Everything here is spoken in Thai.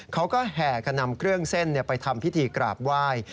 เขาก็แห่กันนำเครื่องเส้นไปทำพิธีกราบไหว้